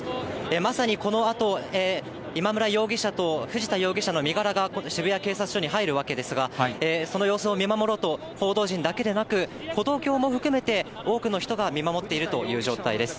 まさにこのあと、今村容疑者と藤田容疑者の身柄が渋谷警察署に入るわけですが、その様子を見守ろうと、報道陣だけでなく、歩道橋も含めて多くの人が見守っているという状態です。